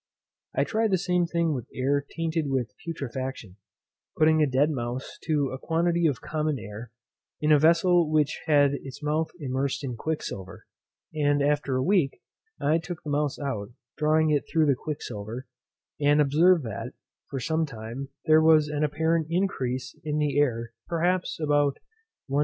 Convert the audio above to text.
I tried the same thing with air tainted with putrefaction, putting a dead mouse to a quantity of common air, in a vessel which had its mouth immersed in quicksilver, and after a week I took the mouse out, drawing it through the quicksilver, and observed that, for some time, there was an apparent increase of the air perhaps about 1/20.